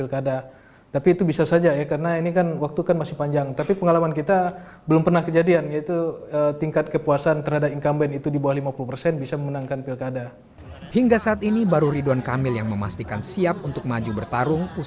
kita tunggu saja